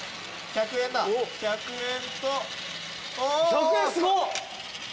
１００円すごっ！